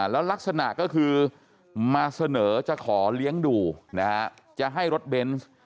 แล้วลักษณะก็คือมาเสนอจะขอเลี้ยงดูนะฮะจะให้รถเบนส์